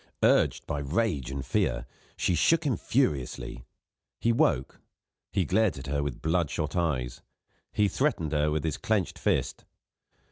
Urged by rage and fear, she shook him furiously. He woke; he glared at her with bloodshot eyes; he threatened her with his clenched fist.